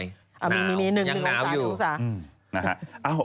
ยังหนาวอยู่